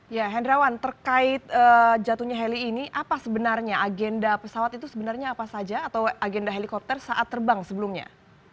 ya hendrawan terkait jatuhnya heli ini apa sebenarnya agenda pesawat itu sebenarnya apa saja atau agenda helikopter saat terbang sebelumnya